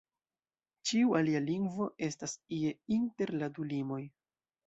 Ĉiu alia lingvo estas ie inter la du limoj.